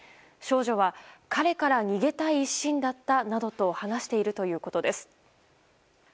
少女は彼から逃げたい一心だったなどと話しているということです。